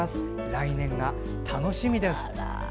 来年が楽しみですと。